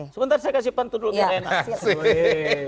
sebentar saya kasih pantu dulu biar enak